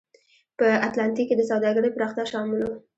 په اتلانتیک کې د سوداګرۍ پراختیا شامل و.